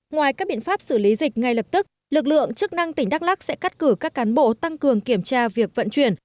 ngoài các biện pháp xử lý dịch ngay lập tức lực lượng chức năng tỉnh đắk lắc sẽ cắt cử các cán bộ tăng cường kiểm tra việc vận chuyển